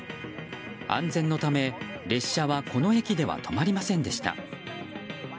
安全のため列車はこの駅では止まりませんでした。